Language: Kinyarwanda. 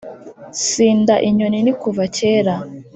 sinda inyoni nikuva kera,